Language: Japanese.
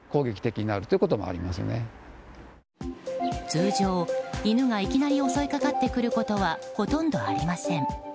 通常、犬がいきなり襲いかかってくることはほとんどありません。